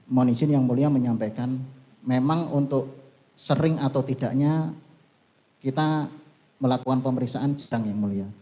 mohon izin yang mulia menyampaikan memang untuk sering atau tidaknya kita melakukan pemeriksaan sedang yang mulia